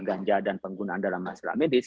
ganja dan penggunaan dalam masalah medis